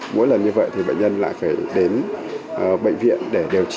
mỗi lần như vậy thì bệnh nhân lại phải đến bệnh viện để điều trị